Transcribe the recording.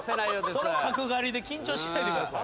その角刈りで緊張しないでください。